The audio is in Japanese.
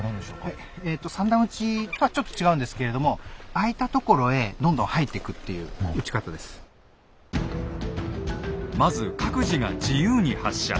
はい三段撃ちとはちょっと違うんですけれどもまず各自が自由に発射。